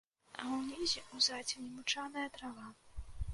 А ўнізе ў зацені мучаная трава.